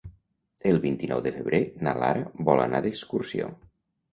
El vint-i-nou de febrer na Lara vol anar d'excursió.